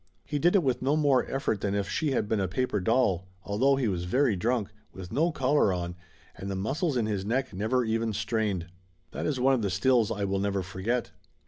He did it with no more effort than if she had been a paper doll, although he was very drunk, with no collar on, and the muscles in his neck never even strained. That is one of the stills I will never forget.